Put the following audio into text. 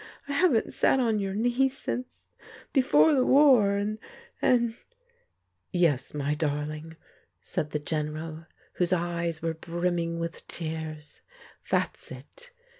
I haven't sat on your knee — since — before the war, and — and .••" Yes, my darling," said the General, whose eyes were brimming with tears, " that's it